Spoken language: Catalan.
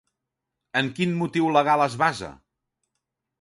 En quin motiu legal es basa?